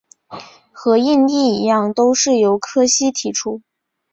和应力一样都是由柯西提出。